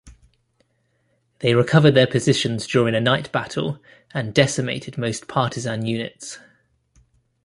They recovered their positions during a night battle and decimated most Partisan units.